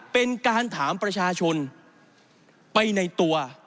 เป็นการถามประชาชนไปในตัว